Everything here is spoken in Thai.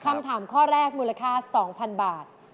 คำถามข้อแรกมูลค่า๒๐๐๐บาท